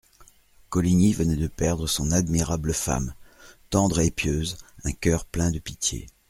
Coligny venait de perdre son admirable femme, tendre et pieuse, un coeur plein de pitié.